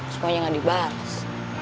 semuanya tidak dibahas